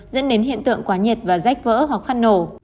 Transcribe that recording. dẫn đến hiện tượng quá nhiệt và rách vỡ hoặc phát nổ